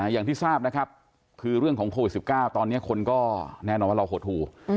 อย่างที่ทราบนะครับคือเรื่องของโควิด๑๙ตอนนี้คนก็แน่นอนว่าเราหดหู